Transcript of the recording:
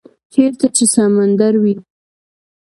- چیرته چې سمندر وی،